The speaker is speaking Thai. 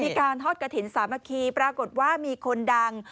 มีการทอดกระถิ่นสามัคคีปรากฏว่ามีคนดัง